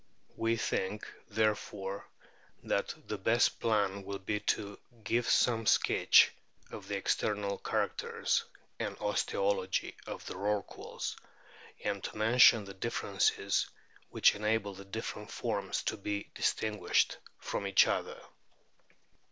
We think, therefore, that the best plan will be to oqve some sketch of the external characters and o osteology of the Rorquals, and to mention the differences which enable the different forms to be distinguished from each other.